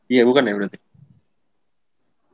iya bukan ya berarti